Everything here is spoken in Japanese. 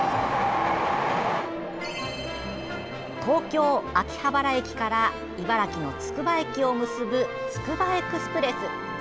東京・秋葉原駅から茨城のつくば駅を結ぶつくばエクスプレス。